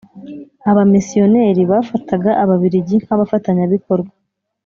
Abamisiyoneri bafataga ababirigi nk abafatanyabikorwa